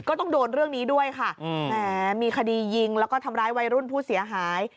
ก็ต้องโดนเรื่องนี้ด้วยค่ะแหมมีคดียิงแล้วก็ทำร้ายวัยรุ่นผู้เสียหาย